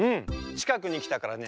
ちかくにきたからね